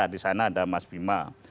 di sana ada mas bima